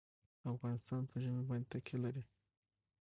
افغانستان په ژمی باندې تکیه لري.